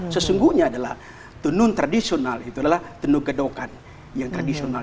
sesungguhnya adalah tenun tradisional itu adalah tenun gedokan yang tradisional